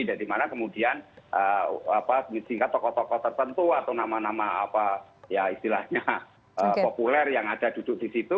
dari mana kemudian tingkat tokoh tokoh tertentu atau nama nama apa ya istilahnya populer yang ada duduk di situ